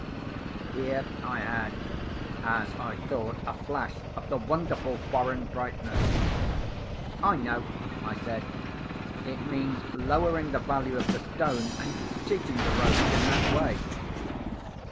Here I had (as I thought) a flash of the wonderful foreign brightness. "I know," I said. "It means lowering the value of the stone, and cheating the rogues in that way!"